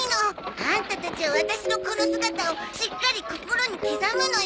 アンタたちはワタシのこの姿をしっかり心に刻むのよ！